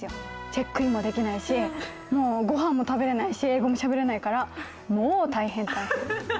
チェックインもできないし、ご飯も食べれないし、英語もしゃべれないから、もう大変。